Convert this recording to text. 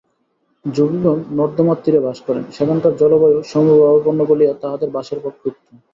যোগিগণ নর্মদার তীরে বাস করেন, সেখানকার জলবায়ু সমভাবাপন্ন বলিয়া তাঁহাদের বাসের পক্ষে উত্তম।